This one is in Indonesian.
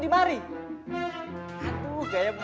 itu gara gara gardens gitu